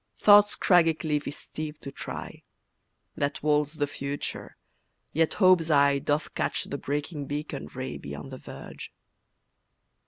Thought's craggy cliff is steep to try, That walls the future, yet Hope's eye Doth catch the breaking beacon ray Beyond the verge.